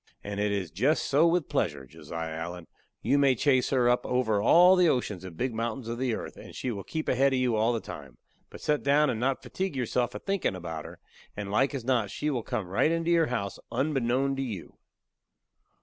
And it is jest so with pleasure, Josiah Allen; you may chase her up over all the oceans and big mountains of the earth, and she will keep ahead of you all the time; but set down and not fatigue yourself a thinkin' about her, and like as not she will come right into your house unbeknown to you."